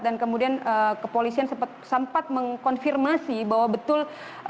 dan kemudian kepolisian sempat mengkonfirmasi bahwa betul